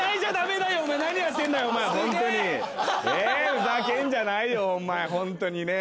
ふざけんじゃないよお前ホントにね。